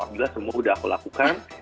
alhamdulillah semua udah aku lakukan